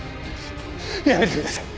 やめてください。